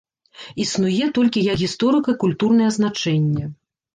Існуе толькі як гісторыка-культурная азначэнне.